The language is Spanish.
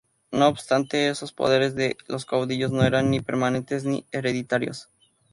No obstante, esos poderes de los caudillos no eran ni permanentes, ni hereditarios.